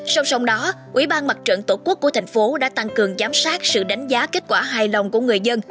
song song đó ủy ban mặt trận tổ quốc của thành phố đã tăng cường giám sát sự đánh giá kết quả hài lòng của người dân